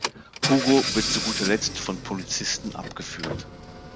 Hugo wird zu guter Letzt von Polizisten abgeführt.